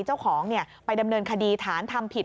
เจ้าของไปดำเนินคดีฐานทำผิด